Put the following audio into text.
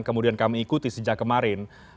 kemudian kami ikuti sejak kemarin